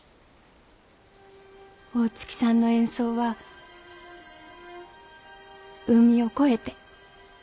大月さんの演奏は海を越えて。